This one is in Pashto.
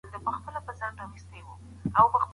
مکړه بیړه، ودرېږه، یو څو خبرې نورې دي